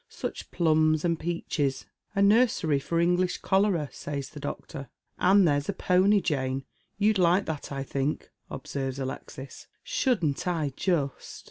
Such plums and peaches !"" A nursery for English cholera," says the doctor. " And there's a pony, Jane, — ^you'd like that, I think," obsei vea Alexis. "Shouldn't I just!"